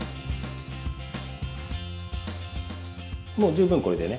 もう十分これでね